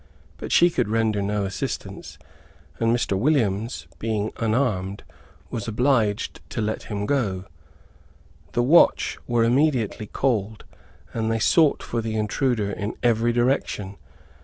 But she could render no assistance, and Mr. Williams, being unarmed, was obliged to let him go. The watch were immediately called, and they sought for the intruder in every direction.